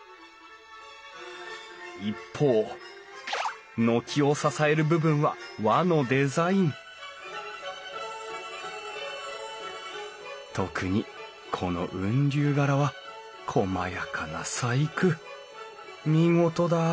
一方軒を支える部分は和のデザイン特にこの雲龍柄はこまやかな細工。